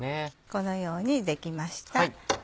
このようにできました。